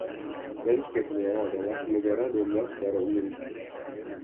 Lanskapnya adalah negara domba secara umum.